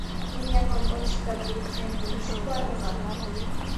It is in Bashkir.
Иң яҡын почта бүлексәһенә нисек барырға?